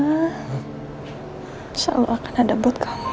insya allah akan ada buat kamu